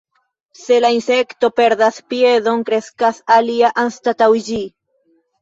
Se la insekto perdas piedon, kreskas alia anstataŭ ĝi.